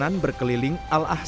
sebelum bertempat yang saat ini